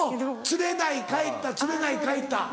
釣れない帰った釣れない帰った。